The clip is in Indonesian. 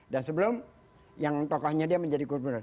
sebelum yang tokohnya dia menjadi gubernur